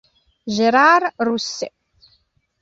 Gérard Rousset